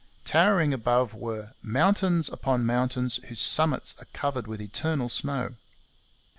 Towering above were 'mountains upon mountains whose summits are covered with eternal snow.'